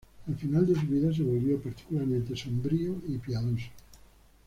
Al final de su vida, se volvió particularmente sombrío y piadoso.